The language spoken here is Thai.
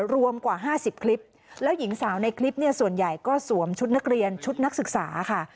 รวมกว่า๕๐คลิปแล้วหญิงสาวในคลิปเนี่ยส่วนใหญ่ก็สวมชุดนักเรียนชุดนักศึกษาค่ะ